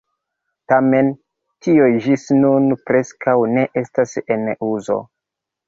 Tamen tio ĝis nun preskaŭ ne estas en uzo.